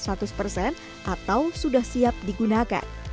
atau sudah siap digunakan